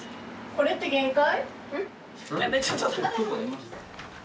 これって限界？